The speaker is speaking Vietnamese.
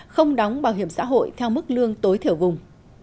không đóng bảo hiểm xã hội theo mức lương tối thiểu vùng